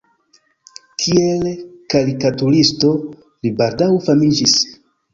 Kiel karikaturisto li baldaŭ famiĝis.